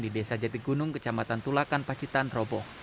di desa jatik gunung kecamatan tulakan pacitan roboh